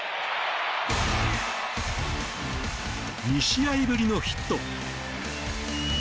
２試合ぶりのヒット。